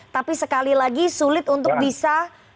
tapi sekali lagi sulit untuk bisa